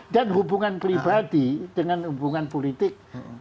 dan hubungan pribadi dengan hubungan politik